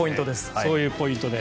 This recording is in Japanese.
そういうポイントで。